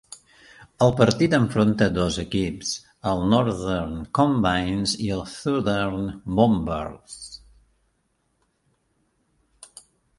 El partit enfronta dos equips, el Northern Combines i el Southern Bombers.